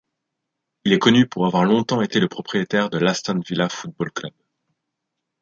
Il est connu pour avoir longtemps été le propriétaire de l'Aston Villa Football Club.